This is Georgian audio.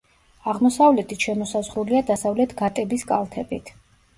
აღმოსავლეთით შემოსაზღვრულია დასავლეთ გატების კალთებით.